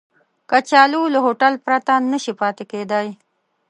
کچالو له هوټل پرته نشي پاتې کېدای